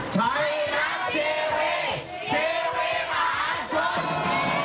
ชัยนักเจเวียเจเวียขาดสุด